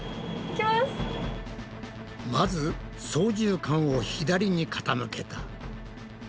まず操縦かんを左に傾けた。